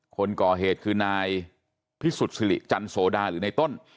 คนก่อเหตุคือนายพิสุทธิ์สิริจันโสดาหรือในต้น